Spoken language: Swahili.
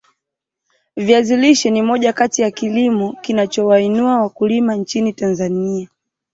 Viazi lishe ni moja kati ya kilimo kinachowainua wakulima nchini Tanzania